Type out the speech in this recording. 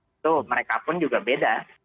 itu mereka pun juga beda